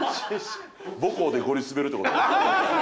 母校でゴリすべるってこと？